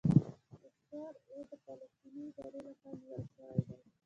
سیکټور اې د فلسطیني ادارې لخوا نیول شوی دی.